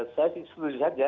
saya sudah lihat ya